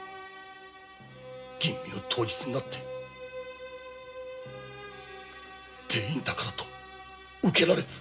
吟味の当日になってもはや定員だからと受けられず。